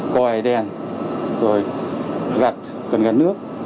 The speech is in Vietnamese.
còi đèn rồi gặt cần gặt nước